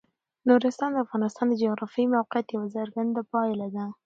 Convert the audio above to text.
نورستان د افغانستان د جغرافیایي موقیعت یوه څرګنده پایله ده.